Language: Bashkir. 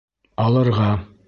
Алырға!